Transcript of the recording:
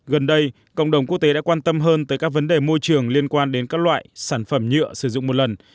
gần đây cộng đồng quốc tế đã quan tâm hơn tới các vấn đề môi trường liên quan đến các loại sản phẩm nhựa sử dụng một lần